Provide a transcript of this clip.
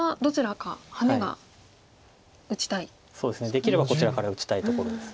できればこちらから打ちたいところです。